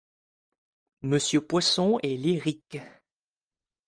Monsieur Poisson est lyrique